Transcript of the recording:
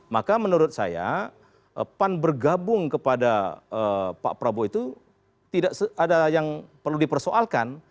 maka menurut saya pan bergabung kepada pak prabowo itu tidak ada yang perlu dipersoalkan